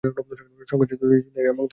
সংঘর্ষে তিনজন নিহত এবং অন্য তিনজন বন্দি হয়।